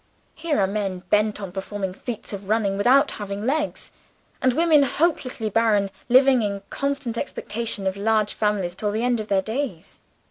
Here are men bent on performing feats of running, without having legs; and women, hopelessly barren, living in constant expectation of large families to the end of their days.